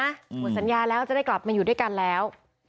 หมดสัญญาแล้วจะได้กลับมาอยู่ด้วยกันแล้ว